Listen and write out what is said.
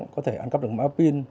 có thể ăn cắp được mã pin